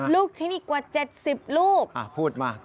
ลูกชิ้นอีกกว่า๗๐ลูก